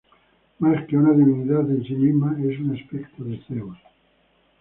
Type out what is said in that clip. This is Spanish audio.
Más que una divinidad en sí misma, es un aspecto de Zeus.